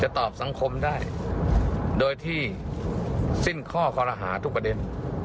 จะตอบสังคมได้โดยที่สิ้นข้อเครื่องอาหารทุกประเด็น